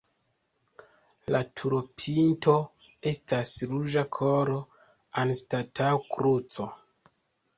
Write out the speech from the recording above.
La turopinto estas ruĝa koro anstataŭ kruco.